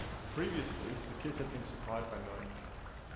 Previously, the kit had been supplied by Nike.